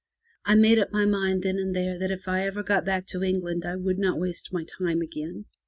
I made up my mind then and there that if I ever got back to England I would not waste my time again.